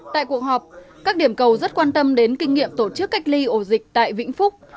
tại cuộc họp các điểm cầu rất quan tâm đến kinh nghiệm tổ chức cách ly ổ dịch tại vĩnh phúc